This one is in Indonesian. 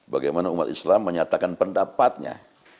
bagaimana umat islam menyatakan pendapatnya